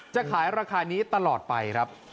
จะขายราคานี้ตลอดไปครับ